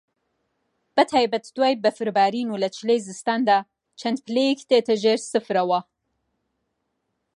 بە تایبەت دوای بەفربارین و لە چلەی زستان دا چەند پلەیەک دێتە ژێر سفرەوە